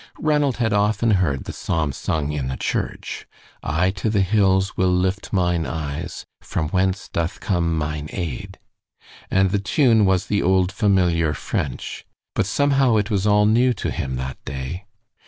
Ranald had often heard the psalm sung in the church I to the hills will lift mine eyes, From whence doth come mine aid; and the tune was the old, familiar "French," but somehow it was all new to him that day.